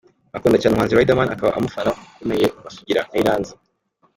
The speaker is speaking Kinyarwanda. Akunda cyane umuhanzi Rideman, akaba umufana ukomeye wa Sugira na Iranzi.